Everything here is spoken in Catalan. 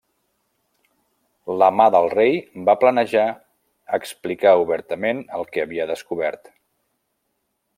La Mà del Rei va planejar explicar obertament el que havia descobert.